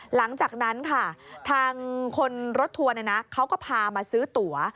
หลังจากนั้นค่ะทางคนรถทัวร์เขาก็พามาซื้อตั๋ว